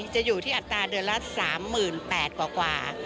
จะอยู่ที่อัตราเดือนละ๓๘๐๐กว่า